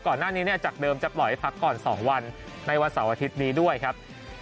ก่อนหน้านี้จากเดิมจะปล่อยพักก่อน๒วันในวันเสาร์อาทิตย์นี้ด้วยครับ